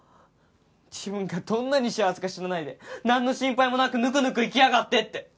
自分がどんなに幸せか知らないでなんの心配もなくぬくぬく生きやがってって。